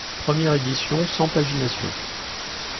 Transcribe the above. Première Edition, sans pagination.